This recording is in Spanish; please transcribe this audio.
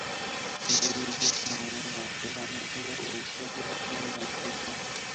Fundó y dirigió "Economía Mediterránea" y dos revistas de gastronomía y turismo.